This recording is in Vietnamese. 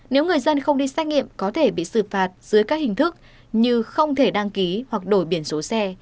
nếu người dân không đi xét nghiệm có thể bị xử phạt dưới các hình thức như không thể đăng ký hoặc đổi biển số xe